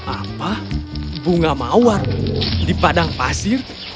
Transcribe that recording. apa bunga mawar di padang pasir